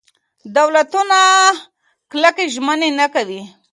دولتونه کلکې ژمنې نه کوي.